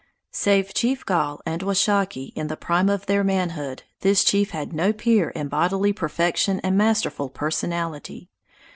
Save Chief Gall and Washakie in the prime of their manhood, this chief had no peer in bodily perfection and masterful personality.